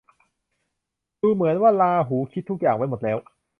ดูเหมือนว่าราหูคิดทุกอย่างไว้หมดแล้ว